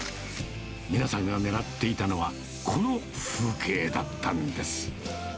皆さんが狙っていたのは、この風景だったんです。